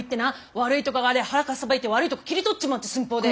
悪いとこがありゃ腹かっさばいて悪いとこ切り取っちまうって寸法で。